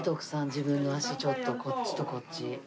自分の足ちょっとこっちとこっち。